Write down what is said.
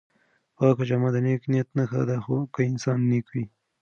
پاکه جامه د نېک نیت نښه ده خو که انسان نېک وي.